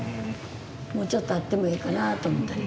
もうちょっとあってもええかなと思ったり。